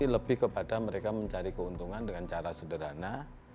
lebih kepada mereka mencari keuntungan dengan cara sederhana